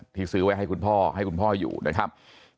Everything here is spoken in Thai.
ซื้อไว้ให้คุณพ่อให้คุณพ่ออยู่นะครับ